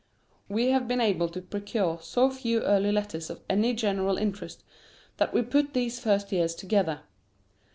We have been able to procure so few early letters of any general interest that we put these first years together.